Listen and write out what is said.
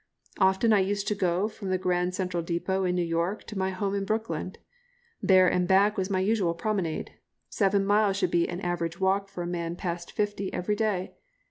Often I used to go from the Grand Central Depot in New York to my home in Brooklyn. There and back was my usual promenade. Seven miles should be an average walk for a man past fifty every day.